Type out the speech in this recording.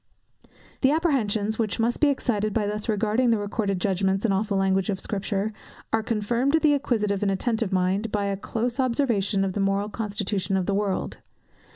The apprehensions, which must be excited by thus reading the recorded judgments and awful language of Scripture, are confirmed to the inquisitive and attentive mind, by a close observation of the moral constitution of the world.